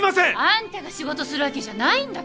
あんたが仕事するわけじゃないんだけど！